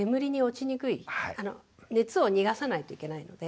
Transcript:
熱を逃がさないといけないので。